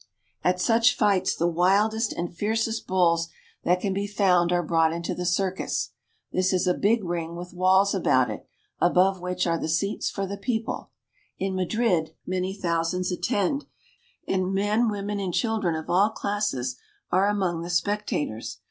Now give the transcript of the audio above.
At such fights the wildest and fiercest bulls that can be found are brought into the circus. This is a big ring with walls about it, above which are the seats for the people, In Madrid many thousands attend, and men, women, and children of all classes are among the spectators.